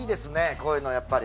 こういうのやっぱり。